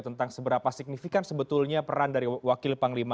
tentang susunan organisasi tni